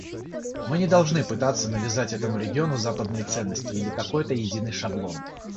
Мы не должны пытаться навязать этому региону западные ценности или какой-то единый шаблон.